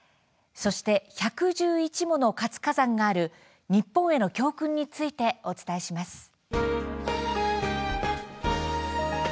そして１１１もの活火山がある日本への教訓についてお伝えします。